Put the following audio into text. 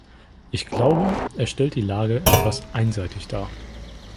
Ich glaube, er stellt die Lage etwas einseitig dar.